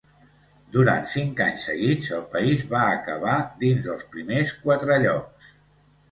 Durant cinc anys seguits el país va acabar dins dels primers quatre llocs.